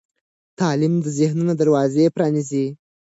تعلیم د ذهنونو دروازې پرانیزي.